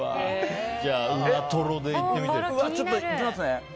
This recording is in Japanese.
じゃあ、うなとろでいってみて。